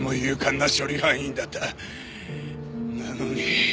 なのに。